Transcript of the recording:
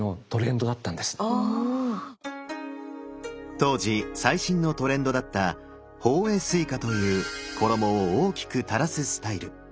当時最新のトレンドだった「法衣垂下」という衣を大きく垂らすスタイル。